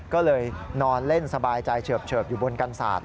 ก็เลยนอนเล่นสบายใจเฉิบอยู่บนกันศาสต